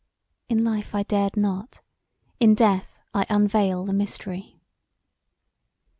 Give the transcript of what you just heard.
In life I dared not; in death I unveil the mystery.